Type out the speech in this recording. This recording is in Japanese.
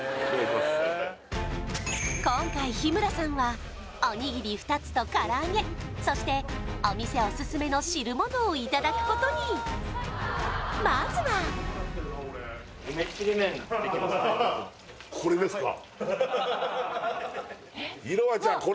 今回日村さんはおにぎり２つとからあげそしてお店オススメの汁物をいただくことにまずはこれですか？